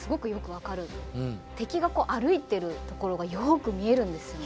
敵が歩いてるところがよく見えるんですよね。